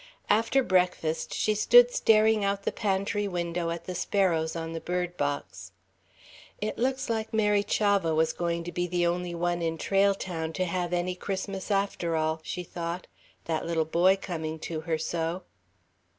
After breakfast she stood staring out the pantry window at the sparrows on the bird box. "It looks like Mary Chavah was going to be the only one in Trail Town to have any Christmas after all," she thought, "that little boy coming to her, so."